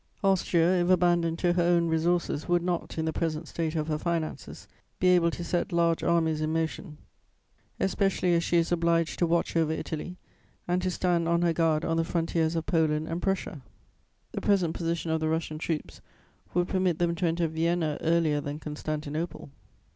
Austria, if abandoned to her own resources, would not, in the present state of her finances, be able to set large armies in motion, especially as she is obliged to watch over Italy and to stand on her guard on the frontiers of Poland and Prussia. The present position of the Russian troops would permit them to enter Vienna earlier than Constantinople.